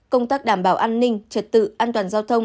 công tác đảm bảo an ninh trật tự an toàn giao thông